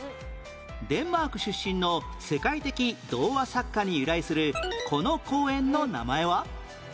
デンマーク出身の世界的童話作家に由来するこの公園の名前は？